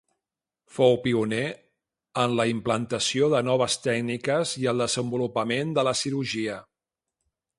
Fou pioner en la implantació de noves tècniques i el desenvolupament de la cirurgia.